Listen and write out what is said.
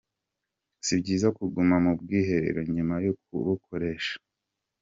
Si byiza kuguma mu bwiherero nyuma yo kubukoresha.